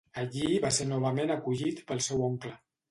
Allí va ser novament acollit pel seu oncle.